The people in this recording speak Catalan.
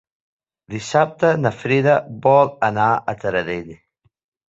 Dissabte na Frida vol anar a Taradell.